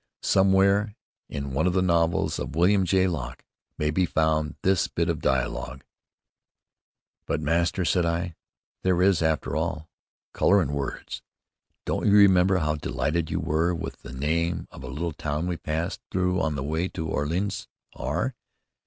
Somewhere, in one of the novels of William J. Locke, may be found this bit of dialogue: "But, master," said I, "there is, after all, color in words. Don't you remember how delighted you were with the name of a little town we passed through on the way to Orleans? R